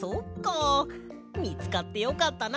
みつかってよかったな！